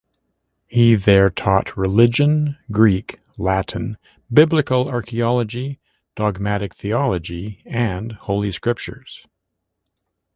He there taught religion, Greek, Latin, biblical archeology, dogmatic theology and Holy Scriptures.